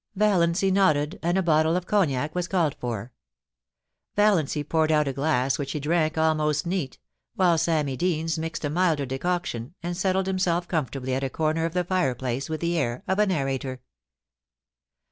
Valiancy nodded, and a bottle of cognac was called foe Valiancy poured out a glass which he drank almost neat, while Sammy Deans mixed a milder decoction, and settled himself comfortably at a comer of the fireplace with the air of a narrator.